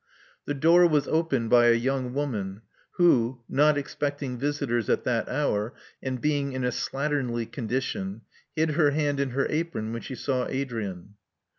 The door was opened by a young woman, who, not expecting visitors at that hour, and being in a slatternly condition, hid her hand in her apron when she saw Adrian.